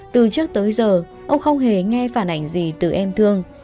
từ trước tới giờ ông không hề nghe phản ảnh gì từ em thương